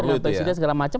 dengan presiden segala macam